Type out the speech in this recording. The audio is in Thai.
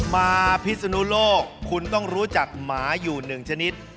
มาพิศนุโลกคุณต้องรู้จักหมาอยู่หนึ่งชนิด